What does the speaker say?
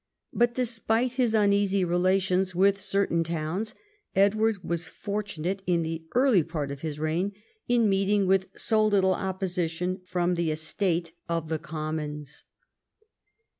But despite his uneasy relations with certain tOAvns, Edward was fortunate in the early part of his reign in meeting with so little opposition from the estate of the commons.